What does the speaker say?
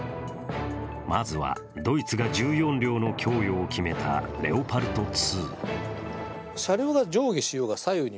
まずはドイツが１４両の供与を決めたレオパルト２。